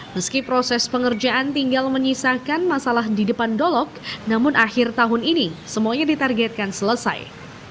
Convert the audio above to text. meski proses pengerjaan tinggal menyisakan masalah di depan dolok namun akhir tahun ini semuanya ditargetkan selesai